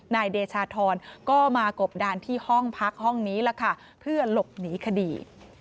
นายเดชาธรก็มากบดานที่ห้องพักห้องนี้ล่ะค่ะเพื่อหลบหนีคดี